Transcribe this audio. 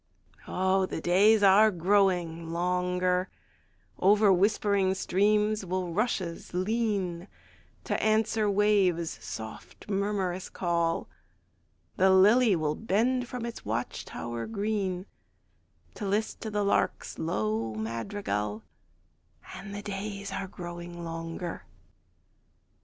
Oh, the days are growing longer; Over whispering streams will rushes lean, To answer the waves' soft murmurous call; The lily will bend from its watch tower green, To list to the lark's low madrigal, And the days are growing longer.